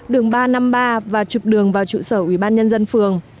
đường ba trăm năm mươi ba và chụp đường vào trụ sở ubnd phường